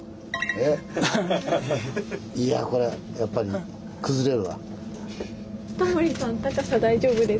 いやこれはやっぱり崩れるわ。